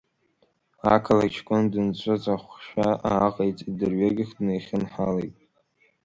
Ақалақь ҷкәын дынцәыҵаххшәа ааҟеиҵеит, дырҩегьых днеихьынҳалеит.